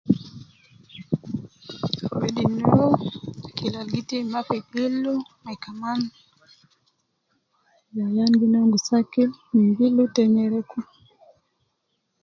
Wedi noo, akil al gitim ma fi gildu, me kaman ayan gi nongus akil min gildu te nyereku